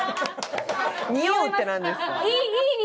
「におう」ってなんですか？